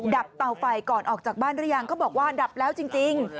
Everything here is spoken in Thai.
ดเตาไฟก่อนออกจากบ้านหรือยังเขาบอกว่าดับแล้วจริง